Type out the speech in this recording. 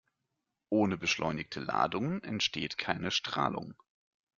Ohne beschleunigte Ladungen entsteht keine Strahlung.